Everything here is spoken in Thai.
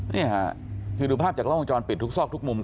นี่ฮะคือดูภาพทางล่องจรปิดทุกซอกทุกมุมของ